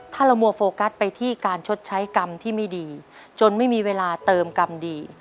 ถ้าเรามัวโฟกัสไปที่การชดใช้กรรมที่ไม่ดีจนไม่มีเวลาเติมกรรมดี